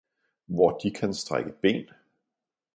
hvor De kan strække ben!